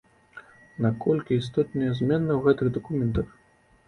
На колькі істотныя змены ў гэтых дакументах?